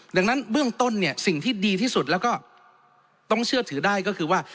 ดังนั้นเบื้องต้นเนี่ยสิ่งที่ดีที่สุดแล้วก็ต้องเชื่อถือได้ก็คือว่า